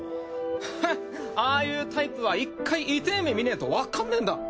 ヘッああいうタイプは１回いてえ目見ねえとわかんねえんだ。